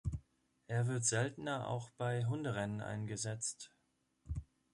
Er wird seltener auch bei Hunderennen eingesetzt.